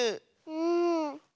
うん。